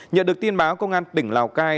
nhận được tin báo công an tỉnh lào cai